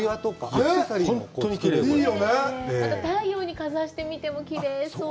あと、太陽にかざしてみてもきれいそう！